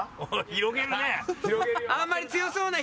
広げるね！